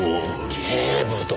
警部殿！